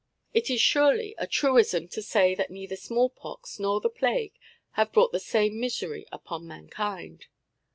It is surely a truism to say that neither smallpox nor the plague have brought the same misery upon mankind.